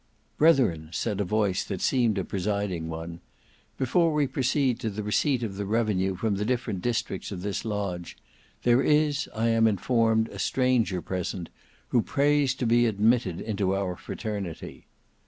"Brethren," said a voice that seemed a presiding one, "before we proceed to the receipt of the revenue from the different districts of this lodge, there is I am informed a stranger present, who prays to be admitted into our fraternity.